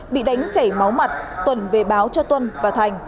bị đánh chảy máu mặt tuần về báo cho tuân và thành